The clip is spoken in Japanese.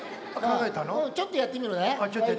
ちょっとやってみるね。